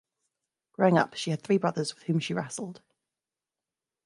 Growing up, she had three brothers with whom she wrestled.